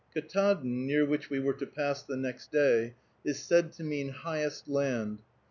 Ktaadn, near which we were to pass the next day, is said to mean "Highest Land."